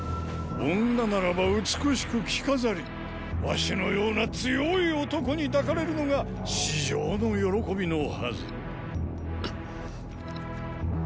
女ならば美しく着飾り儂のような強い男に抱かれるのが至上の喜びのはず。